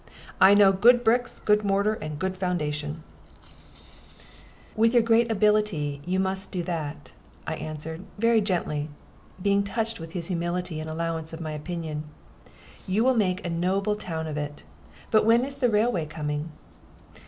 I know good bricks, good mortar, and good foundations." "With your great ability, you must do that," I answered, very gently, being touched with his humility and allowance of my opinion; "you will make a noble town of it. But when is the railway coming?"